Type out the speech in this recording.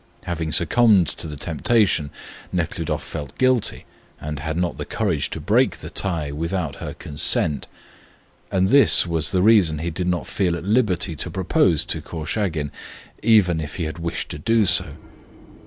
Having succumbed to the temptation, Nekhludoff felt guilty, and had not the courage to break the tie without her consent. And this was the reason he did not feel at liberty to propose to Korchagin even if he had wished to do so.